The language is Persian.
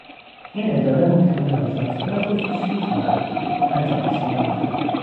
این اداره مکمل آژانسهای خصوصی خواهد بود نه جانشین آنها.